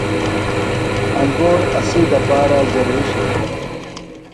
انگور اسی دپارہ ضروی شئی۔